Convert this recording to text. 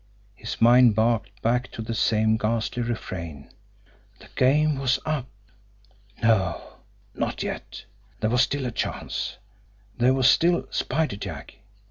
His mind barked back to the same ghastly refrain "the game was up!" NO! Not yet! There was still a chance! There was still Spider Jack!